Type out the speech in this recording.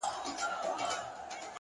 باران زما د کور له مخې څخه دوړې يوړې _